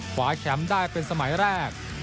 ขวาแชมป์ได้เป็นสมัยแรก